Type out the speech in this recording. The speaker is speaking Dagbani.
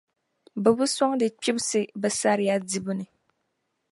Bɛ bi sɔŋdi kpibisi bɛ saria dibu ni.